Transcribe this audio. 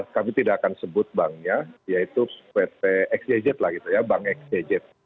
kami tidak akan sebut banknya yaitu pt xjj lah gitu ya bank xjj